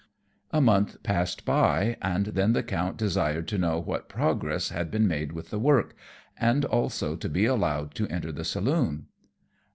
A month passed by, and then the Count desired to know what progress had been made with the work, and also to be allowed to enter the saloon.